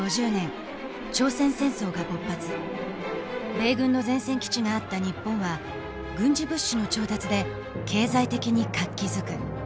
米軍の前線基地があった日本は軍事物資の調達で経済的に活気づく。